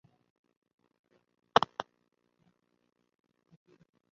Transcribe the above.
প্রকৃতির কোন কিছুই তাদের ঐকান্তিক ডাক্তারদের অযৌক্তিকতার সাথে সঙ্গতিপূর্ণ নয়।